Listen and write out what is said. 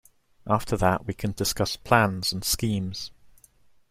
After that we can discuss plans and schemes.